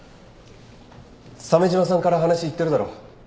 鮫島さんから話行ってるだろ？